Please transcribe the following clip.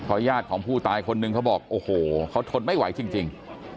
ญาติของผู้ตายคนนึงเขาบอกโอ้โหเขาทนไม่ไหวจริง